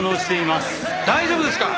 大丈夫ですか？